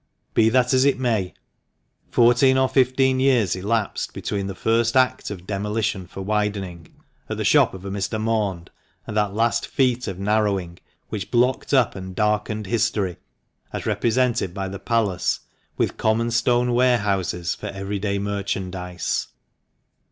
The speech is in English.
Be that as it may, fourteen or fifteen years elapsed between the first act of demolition for widening (at the shop of a Mr. Maund), and that last feat of narrowing, which PALACE INN. 320 THE MANCHESTER MAN. blocked up and darkened history (as represented by the Palace) with common stone warehouses for every day merchandise.